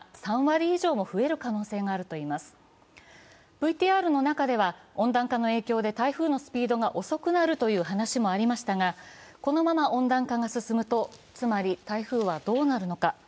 ＶＴＲの中では温暖化の影響で台風のスピードが遅くなるという話もありましたがこのまま温暖化が進むとつまり台風はどうなるのか。